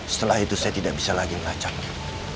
setelah itu saya tidak bisa lagi melacaknya